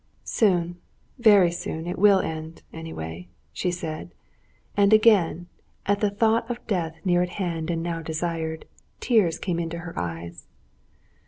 "Soon, very soon, it will end, anyway," she said; and again, at the thought of death near at hand and now desired, tears came into her eyes.